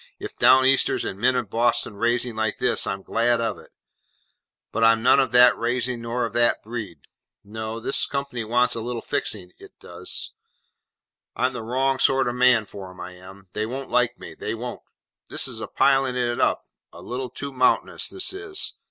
If Down Easters and men of Boston raising like this, I'm glad of it, but I'm none of that raising nor of that breed. No. This company wants a little fixing, it does. I'm the wrong sort of man for 'em, I am. They won't like me, they won't. This is piling of it up, a little too mountainous, this is.